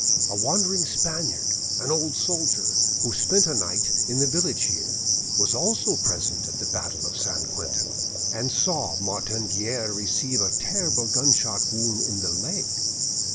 A wandering Spaniard, an old soldier, who spent a night in the village here, was also present at the battle of St. Quentin, and saw Martin Guerre receive a terrible gunshot wound in the leg.